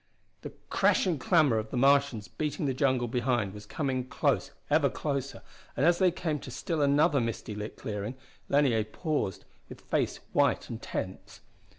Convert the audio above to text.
The crashing clamor of the Martians beating the jungle behind was coming close, ever closer, and as they came to still another misty lit clearing, Lanier paused, with face white and tense.